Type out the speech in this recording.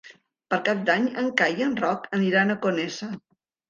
Per Cap d'Any en Cai i en Roc aniran a Conesa.